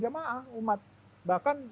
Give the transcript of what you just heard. jamaah umat bahkan